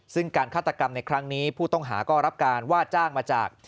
ซึ่งการฆาตกรรมในครั้งนี้ผู้ต้องหาก็รับการว่าจ้างมาจาก